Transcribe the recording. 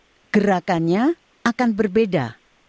kemungkinan gerakannya akan berbeda